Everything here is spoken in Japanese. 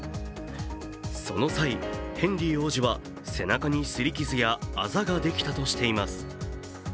その際、ヘンリー王子は背中に擦り傷やあざができたとしています。